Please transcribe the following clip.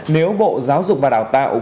nếu bộ giáo dục và đào tạo